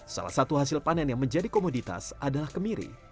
salah satu hasil panen yang menjadi komoditas adalah kemiri